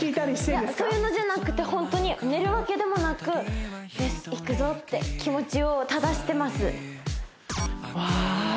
いやそういうのじゃなくてホントに寝るわけでもなく「よし行くぞ」って気持ちをただしてますわあ